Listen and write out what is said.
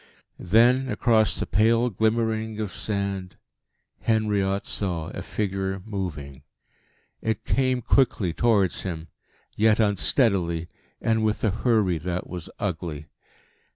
Then, across the pale glimmering of sand, Henriot saw a figure moving. It came quickly towards him, yet unsteadily, and with a hurry that was ugly.